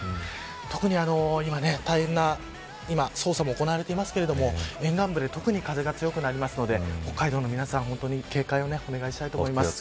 特に今、大変な捜査もわれていますが、沿岸部で特に風が強くなりますので北海道の皆さん警戒をお願いしたいと思います。